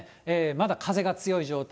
まだ風が強い状態。